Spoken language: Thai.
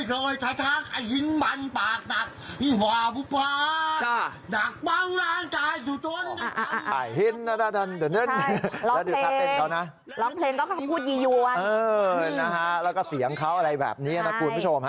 ร้องเพลงก็พูดหยวงแล้วก็เสียงเขาอะไรแบบนี้นะคุณผู้ชม